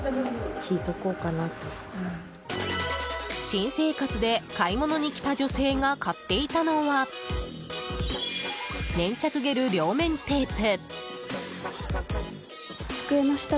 新生活で買い物に来た女性が買っていたのは粘着ゲル両面テープ。